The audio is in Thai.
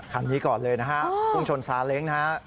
คันนี้ก่อนเลยนะฮะพุ่งชนซาเล้งนะฮะ